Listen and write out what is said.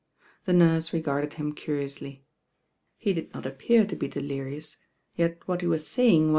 The nurse regarded him curiously. He did not appear to be delirious; yet what he was saying \*!